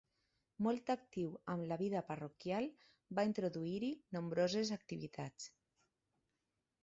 Molt actiu amb la vida parroquial, va introduir-hi nombroses activitats.